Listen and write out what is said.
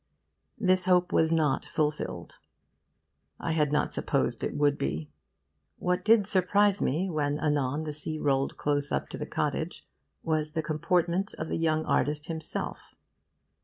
This hope was not fulfilled. I had not supposed it would be. What did surprise me, when anon the sea rolled close up to the cottage, was the comportment of the young artist himself.